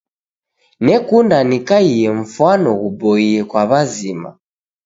Nekunda nikaiye mfwano ghuboie kwa wazima.